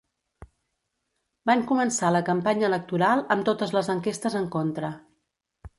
Van començar la campanya electoral amb totes les enquestes en contra.